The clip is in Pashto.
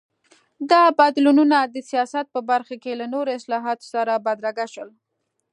دا بدلونونه د سیاست په برخه کې له نورو اصلاحاتو سره بدرګه شول.